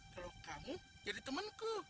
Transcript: kalau kamu jadi temanku